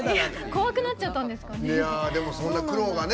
怖くなっちゃったんですかね。